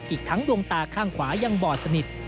อีกทั้งดวงตาข้างขวายังบอดสนิท